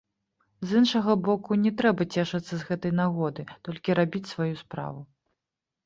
З іншага боку, не трэба цешыцца з гэтай нагоды, толькі рабіць сваю справу.